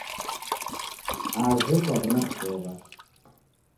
Ajhe kwaw'o naw'isow'a